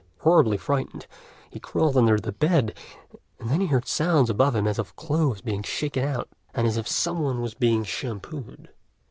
Horribly frightened, he crawled under the bed, and then he heard sounds above him as of clothes being shaken out, and as if some one was being shampooed.